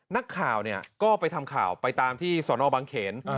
นักข่าวก็ไปทำข่าวไปตามที่สนบางเขน